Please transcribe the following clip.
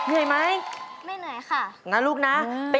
แค่อายแน่มากกก็อ่อนแน่แหละ